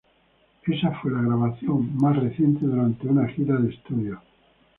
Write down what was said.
Esa fue la grabación más reciente durante una gira de estudio.